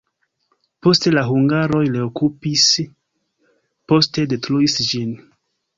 Poste la hungaroj reokupis, poste detruis ĝin.